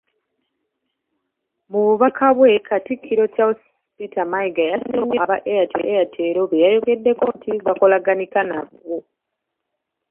Mububaka bwe, Katikkiro Charles Peter Mayiga yasiimye nnyo aba Airtel beyayogeddeko nti bakolaganika nabo.